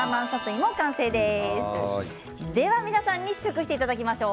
皆さんに試食していただきましょう。